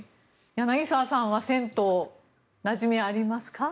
柳澤さんは銭湯なじみありますか？